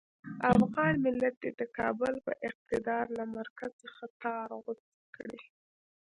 افغان ملت دې د کابل د اقتدار له مرکز څخه تار غوڅ کړي.